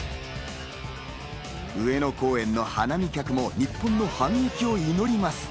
上野公園の花見客も日本の反撃を祈ります。